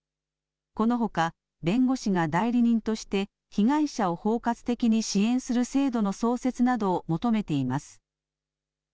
このほか弁護士が代理人として被害者を包括的に支援する制度の創設などを求めています。